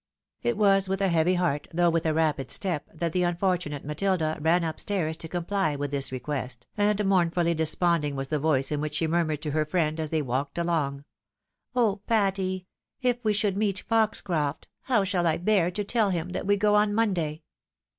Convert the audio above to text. It was with a heavy heart, though with a rapid step, that the unfortunate Matilda ran up stairs to comply with this re quest, and mournfully desponchng was the voice in which she murmured to her friend, as they walked along, " Oh, Patty ! if we should meet Foxcroft, how shall I bear to tell him that we go on Monday